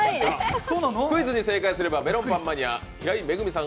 クイズに正解すればメロンパンマニア・平井萌さん